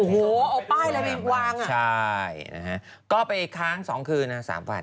โอ้โหเอาป้ายอะไรไปวางอ่ะใช่นะฮะก็ไปค้าง๒คืนนะ๓วัน